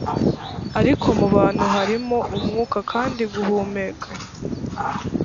ariko mu bantu harimo umwuka kandi guhumeka